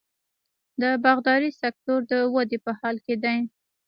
د باغدارۍ سکتور د ودې په حال کې دی.